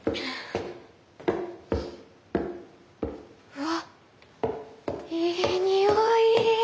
うわっいい匂い。